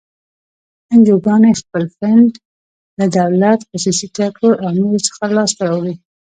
انجوګانې خپل فنډ له دولت، خصوصي سکتور او نورو څخه لاس ته راوړي.